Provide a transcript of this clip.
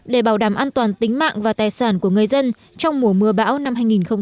để bảo đảm an toàn tính mạng và tài sản của người dân trong mùa mưa bão năm hai nghìn một mươi chín